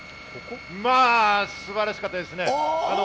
まぁ素晴らしかったですね。